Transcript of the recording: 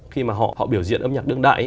khi mà họ biểu diễn âm nhạc đương đại